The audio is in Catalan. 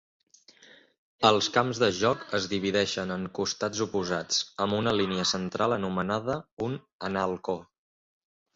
Els camps de joc es divideixen en costats oposats, amb una línia central anomenada un "analco".